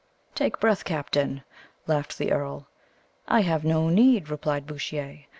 "Take breath, captain," laughed the earl. "I have no need," replied Bouchier.